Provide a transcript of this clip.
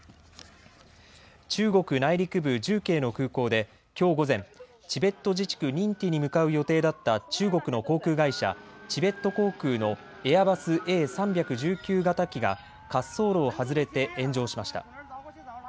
中国内陸部重慶の空港できょう午前、チベット自治区ニンティに向かう予定だった中国の航空会社、チベット航空のエアバスＡ３１９型機が滑走路を外れて炎上しました。